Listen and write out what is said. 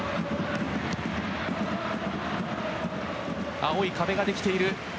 青い壁ができている。